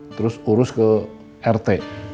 terus urus ke rt